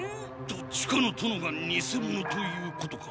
どっちかの殿がにせ者ということか。